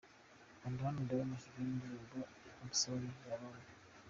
Kanda hano urebe amashusho y'indirimbo 'I'm sorry' ya Lanie .